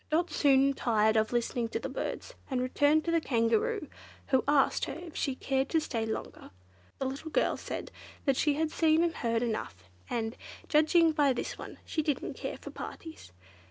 Dot soon tired of listening to the birds, and returned to the Kangaroo, who asked her if she cared to stay longer. The little girl said she had seen and heard enough, and, judging by this one, she didn't care for parties.